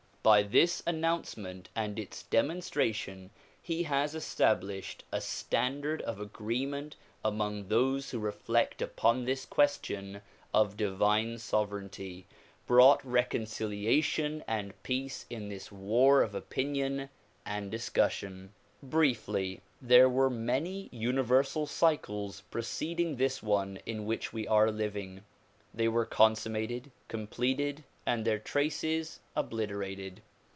By this announcement and its demon stration he has established a standard of agreement among those who reflect upon this question of divine sovereignty ; brought recon ciliation and peace in this war of opinion and discussion. Briefly, there were many universal cycles preceding this one in which we are living. They were consummated, completed and their traces obliterated.